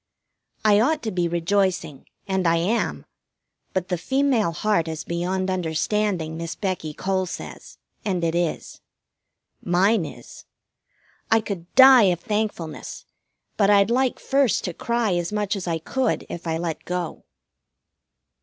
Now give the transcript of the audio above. I ought to be rejoicing, and I am; but the female heart is beyond understanding, Miss Becky Cole says, and it is. Mine is. I could die of thankfulness, but I'd like first to cry as much as I could if I let go.